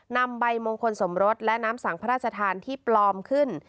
นำใบมงคลสมรสและน้ำสังพระราชทานที่ปลอมขึ้น